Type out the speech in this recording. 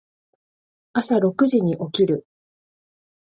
朝六時に起きる。